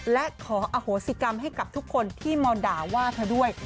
และขออโหสิกรรมให้กับทุกคนที่มาด่าว่าเธอด้วย